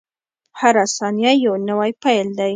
• هره ثانیه یو نوی پیل دی.